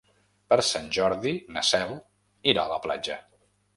Per Sant Jordi na Cel irà a la platja.